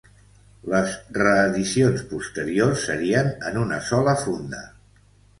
Les reedicions posteriors serien en una sola funda.